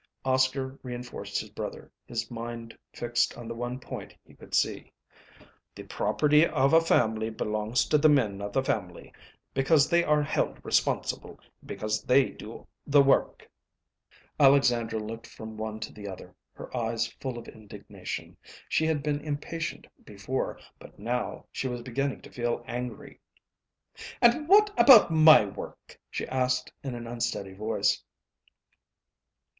Oscar reinforced his brother, his mind fixed on the one point he could see. "The property of a family belongs to the men of the family, because they are held responsible, and because they do the work." Alexandra looked from one to the other, her eyes full of indignation. She had been impatient before, but now she was beginning to feel angry. "And what about my work?" she asked in an unsteady voice.